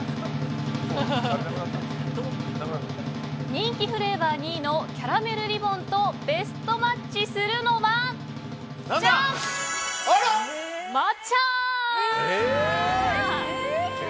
人気フレーバー２位のキャラメルリボンとベストマッチするのはじゃん！